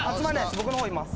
僕のほういます。